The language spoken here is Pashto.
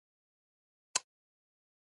په پوښتونکي نظر یې کتل !